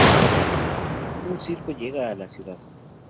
Un circo llega a la ciudad.